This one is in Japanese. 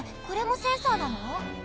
これもセンサーなの？